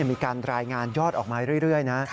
มีการรายงานยอดออกมาเรื่อยนะ